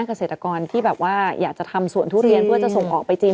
เกษตรกรที่แบบว่าอยากจะทำสวนทุเรียนเพื่อจะส่งออกไปจีน